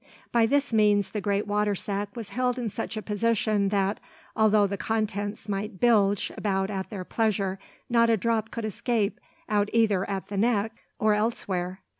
By this means the great water sack was held in such a position that, although the contents might "bilge" about at their pleasure, not a drop could escape out either at the neck or elsewhere.